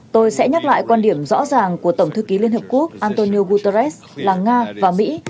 tôi sẽ nhắc lại quan điểm rõ ràng của tổng thư ký liên hợp quốc antonio guterres là nga và mỹ